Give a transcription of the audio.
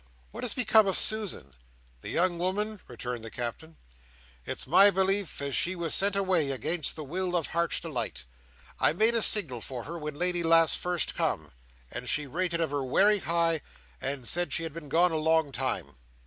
What has become of Susan?" "The young woman?" returned the Captain. "It's my belief as she was sent away again the will of Heart's Delight. I made a signal for her when Lady lass first come, and she rated of her wery high, and said she had been gone a long time."